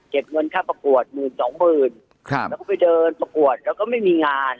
เก็บเงินค่าประกวด๑๐๐๐๐๒๐๐๐๐แล้วก็ไปเดินประกวดแล้วก็ไม่มีงาน